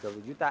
dua puluh juta